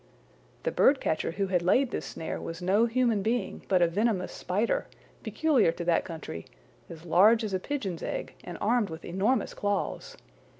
The bird catcher who had laid this snare was no human being, but a venomous spider, peculiar to that country, as large as a pigeon's egg, and armed with enormous claws.